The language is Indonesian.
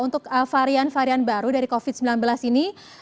untuk varian varian baru dari covid sembilan belas ini